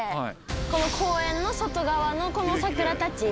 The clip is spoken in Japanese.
この公園の外側のこの桜たち。